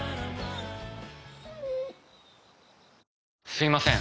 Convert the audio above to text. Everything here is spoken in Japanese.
すいません